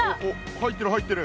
入ってる入ってる！